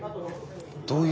どういう？